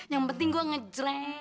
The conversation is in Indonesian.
yang penting gua ngejren